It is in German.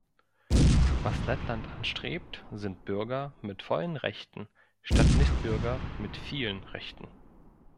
Was Lettland anstrebt, sind Bürger mit vollen Rechten statt Nichtbürger mit vielen Rechten.